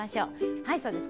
はいそうです。